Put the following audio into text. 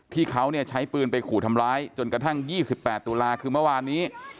ที่เขาใช้ปืนไปขู่ทำร้ายจนกระทั่ง๒๘ตุลาคือเมื่อวานนี้